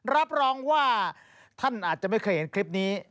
รับรองว่าท่านอาจจะไม่เคยเห็นคลิปนี้